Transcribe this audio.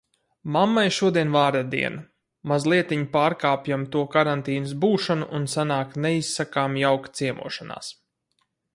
Mammai šodien vārda diena. Mazlietiņ pārkāpjam to karantīnas būšanu, un sanāk neizsakāmi jauka ciemošanās.